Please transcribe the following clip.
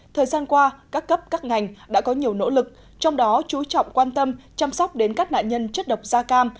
thời gian qua các cấp các ngành đã có nhiều nỗ lực trong đó chú trọng quan tâm chăm sóc đến các nạn nhân chất độc da cam